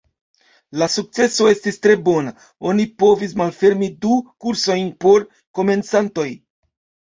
La sukceso estis tre bona; oni povis malfermi du kursojn por komencantoj.